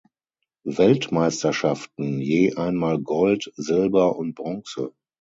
Weltmeisterschaften: je einmal Gold, Silber und Bronze.